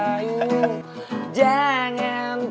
wah men dragon's